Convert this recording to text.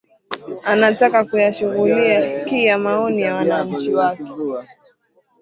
anataka kuyashughulikia maoni ya wananchi wake